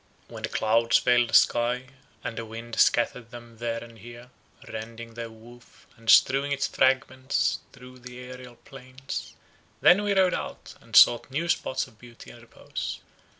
When the clouds veiled the sky, and the wind scattered them there and here, rending their woof, and strewing its fragments through the aerial plains—then we rode out, and sought new spots of beauty and repose.